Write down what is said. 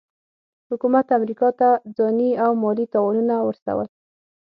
حکومت امریکا ته ځاني او مالي تاوانونه ورسول.